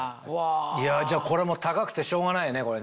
じゃこれも高くてしょうがないよね。